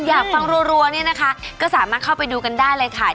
อยากฟังรัวเนี่ยนะคะก็สามารถเข้าไปดูกันได้เลยค่ะ